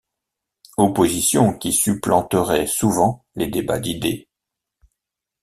Oppositions qui supplanteraient souvent les débats d'idées.